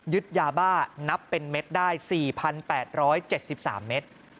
ยาบ้านับเป็นเม็ดได้๔๘๗๓เมตร